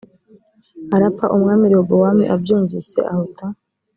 arapfa umwami rehobowamu abyumvise ahuta